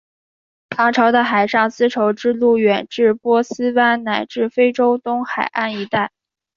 唐朝的海上丝绸之路远至波斯湾乃至非洲东海岸一带。